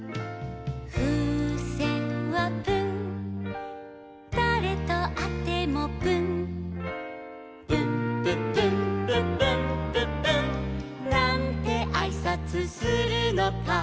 「ふうせんはプンだれとあってもプン」「プンプンプンプンプンプンプン」「なんてあいさつするのか」